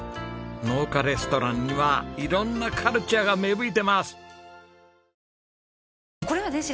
農家レストランには色んなカルチャーが芽吹いています。